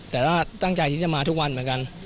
แต่ก็ตั้งใจที่จะมาทุกวันเหมือนกัน